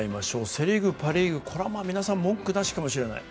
セ・リーグ、パ・リーグ、これは皆さん、文句なしかもしれない。